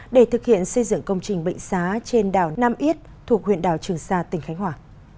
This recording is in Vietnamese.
để thực hiện xây dựng công trình bệnh xá trên đảo nam yết thuộc huyện đảo trường sa tỉnh khánh hòa